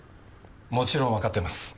もちろんわかってます。